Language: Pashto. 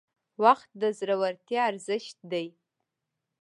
• وخت د زړورتیا ارزښت دی.